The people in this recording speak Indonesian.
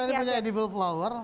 nah kita ini punya edible flower